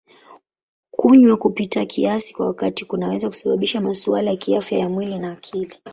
Kunywa kupita kiasi kwa wakati kunaweza kusababisha masuala ya kiafya ya mwili na akili.